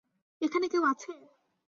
এখানে কেউ আছে!